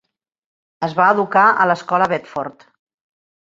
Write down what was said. Es va educar a l'escola Bedford.